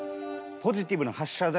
ポジティブな発射台！？